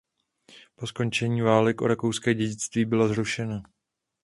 Po skončení válek o rakouské dědictví byla zrušena.